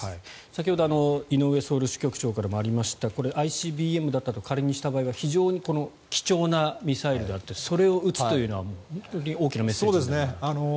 先ほど井上ソウル支局長からもありましたＩＣＢＭだったと仮にした場合は非常に貴重なミサイルであってそれを撃つというのは本当に大きなメッセージだと。